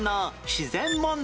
自然問題。